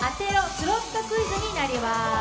スロットクイズ」になります。